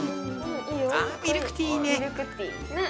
あミルクティーいいね。